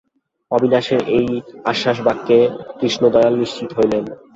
অবিনাশের এই আশ্বাসবাক্যে কৃষ্ণদয়াল নিশ্চিন্ত হইলেন।